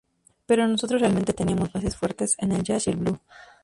Pero nosotros realmente teníamos bases fuertes en el jazz y el blues"".